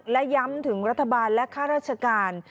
และย้ำถึงรัฐบาลและค่าราชการ